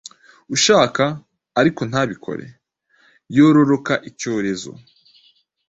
Ushaka, ariko ntabikore, yororoka icyorezo.